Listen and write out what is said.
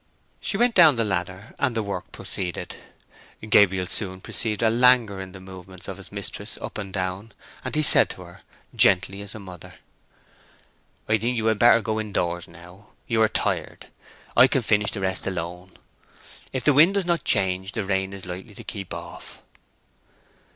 She went down the ladder, and the work proceeded. Gabriel soon perceived a languor in the movements of his mistress up and down, and he said to her, gently as a mother— "I think you had better go indoors now, you are tired. I can finish the rest alone. If the wind does not change the rain is likely to keep off."